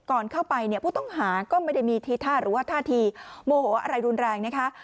ก่อนเข้าไปเนี่ยผู้ต้องหาก็ไม่ได้มีทีท่าหรือว่าท่าทีโมโหอะไรรุนแรงนะคะ